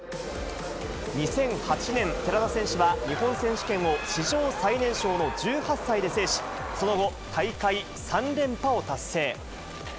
２００８年、寺田選手は日本選手権を史上最年少の１８歳で制し、その後、大会３連覇を達成。